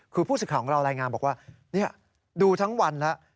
คือผู้สื่อข่าวของเรารายงานบอกว่าดูทั้งวันแล้ว